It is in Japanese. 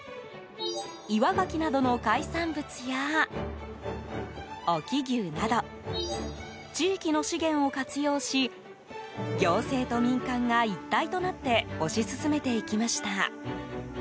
岩ガキなどの海産物や隠岐牛など地域の資源を活用し行政と民間が一体となって推し進めていきました。